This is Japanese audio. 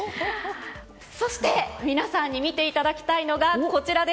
そして、皆さんに見ていただきたいのが、こちら。